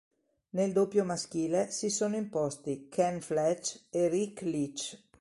Nel doppio maschile si sono imposti Ken Flach e Rick Leach.